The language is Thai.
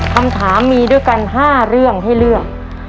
คำถามมีด้วยกัน๕เรื่องให้เลือก